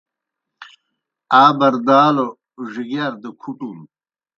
آ بردالوْ ڙِگِیار دہ کُھٹُن۔